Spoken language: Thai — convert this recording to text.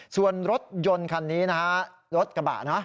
ส่วนรถยนต์คันนี้นะฮะรถกระบะนะ